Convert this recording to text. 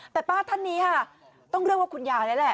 แต่ป้าท่านนี้ค่ะต้องเรียกว่าคุณยายแล้วแหละ